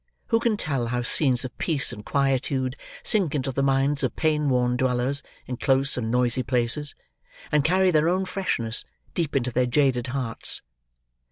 Who can tell how scenes of peace and quietude sink into the minds of pain worn dwellers in close and noisy places, and carry their own freshness, deep into their jaded hearts!